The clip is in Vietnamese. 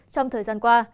trong thời gian qua